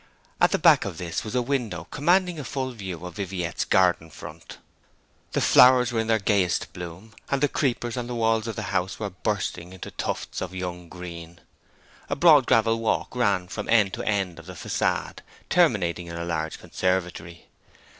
At the back of this was a window commanding a full view of Viviette's garden front. The flowers were all in gayest bloom, and the creepers on the walls of the house were bursting into tufts of young green. A broad gravel walk ran from end to end of the facade, terminating in a large conservatory.